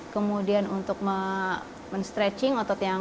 kemudian untuk men stretching otot yang